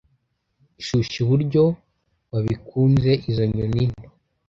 shyushya uburyo wabikunzeizo nyoni nto